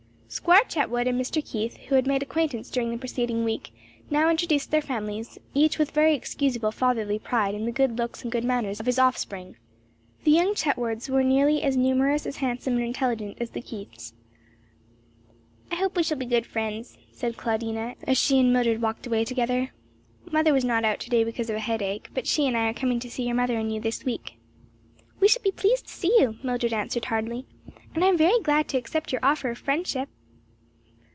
Squire Chetwood and Mr. Keith, who had made acquaintance during the preceding week, now introduced their families; each with very excusable fatherly pride in the good looks and good manners of his offspring. The young Chetwoods were nearly as numerous, as handsome and intelligent as the Keiths. "I hope we shall be good friends," said Claudina, as she and Mildred walked away together. "Mother was not out to day because of a headache; but she and I are coming to see your mother and you this week." "We shall be pleased to see you," Mildred answered heartily, "and I am very glad to accept your offer of friendship."